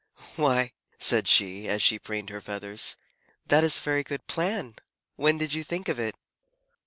"Why," said she, as she preened her feathers, "that is a very good plan. When did you think of it?"